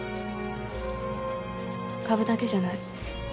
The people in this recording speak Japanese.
株だけじゃない。